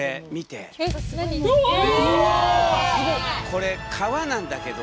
これ川なんだけど。